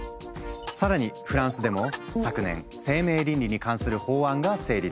更にフランスでも昨年生命倫理に関する法案が成立。